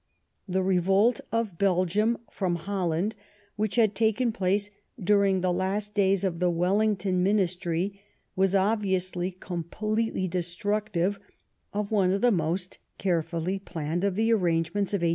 The revolt of Belgium from Holland, which had taken place during the last days of the Wellington ministry, was obviously completely destruc tive of one of the most carefully planned of the arrange ments of 1815.